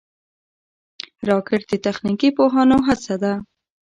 راکټ د تخنیکي پوهانو هڅه ده